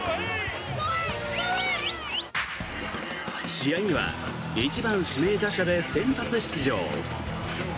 試合には１番指名打者で先発出場。